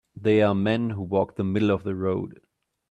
They are men who walk the middle of the road.